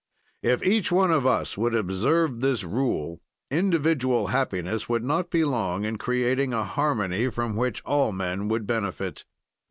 "If each one of us would observe this rule individual happiness would not be long in creating a harmony from which all men would benefit.